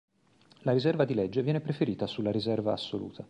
La riserva di legge viene preferita sulla riserva assoluta.